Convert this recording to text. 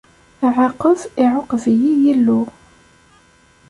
Aɛaqeb, iɛuqeb-iyi Yillu.